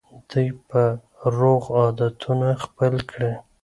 دوی به روغ عادتونه خپل کړي.